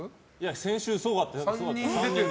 先週すごかったね。